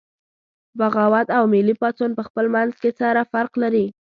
بغاوت او ملي پاڅون پخپل منځ کې سره فرق لري